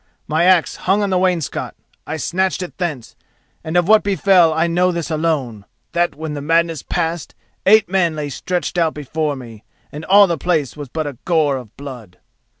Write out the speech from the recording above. My axe hung on the wainscot. I snatched it thence, and of what befell I know this alone, that, when the madness passed, eight men lay stretched out before me, and all the place was but a gore of blood.